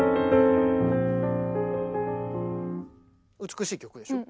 美しい曲でしょ？